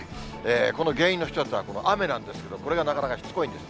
この原因の一つはこの雨なんですけれども、これがなかなかしつこいんです。